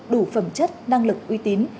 đủ phẩm chất năng lực uy tín